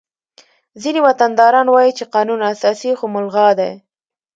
ځینې وطنداران وایي چې قانون اساسي خو ملغا دی